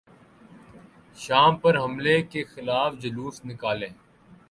شام پر حملے کیخلاف جلوس نکالیں